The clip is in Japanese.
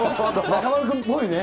中丸君っぽいね。